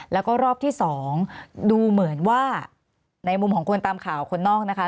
แล้วก็รอบที่๒ดูเหมือนว่าในมุมของคนตามข่าวคนนอกนะคะ